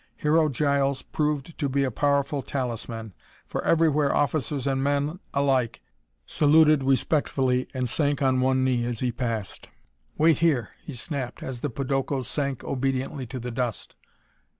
Hero Giles proved to be a powerful talisman, for everywhere officers and men alike saluted respectfully and sank on one knee as he passed. "Wait here," he snapped, as the podokos sank obediently to the dust.